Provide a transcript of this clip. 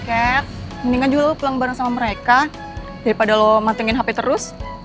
iya cat mendingan juga lo pulang bareng sama mereka daripada lo matengin hp terus